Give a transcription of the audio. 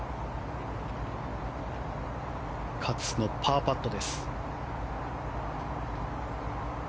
勝のパーパット。